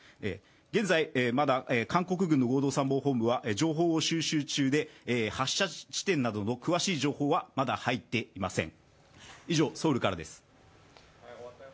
現在、まだ韓国軍の合同参謀本部は情報を収集中で発射地点などの詳しい情報はまだ入っていません。